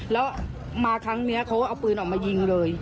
แล้วมาครั้งนี้เขาก็เอาปืนออกมายิงเลย